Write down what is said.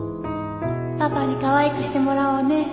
パパにかわいくしてもらおうね。